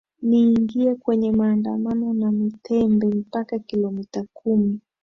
niingie kwenye maandamano na mitembee mpaka kilomita kumi